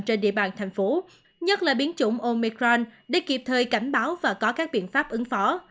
trên địa bàn thành phố nhất là biến chủng omicron để kịp thời cảnh báo và có các biện pháp ứng phó